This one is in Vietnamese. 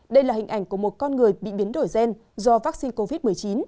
đây là hình ảnh của một con người bị biến đổi gen do vaccine covid một mươi chín